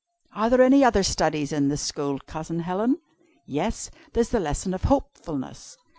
"Are there any other studies in the School, Cousin Helen?" "Yes, there's the lesson of Hopefulness.